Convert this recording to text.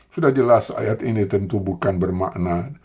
sudah jelas ayat ini tentu bukan bermakna